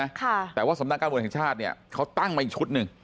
ค่ะแต่ว่าสำนักการบวชแห่งชาติเนี่ยเขาตั้งมาอีกชุดหนึ่ง